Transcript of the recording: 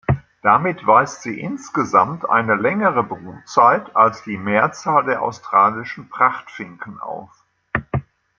Damit weist sie insgesamt eine längere Brutzeit als die Mehrzahl der australischen Prachtfinken auf.